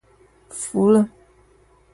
服了